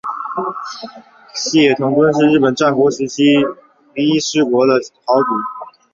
细野藤敦是日本战国时代于伊势国的豪族。